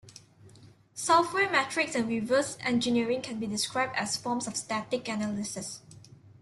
Software metrics and reverse engineering can be described as forms of static analysis.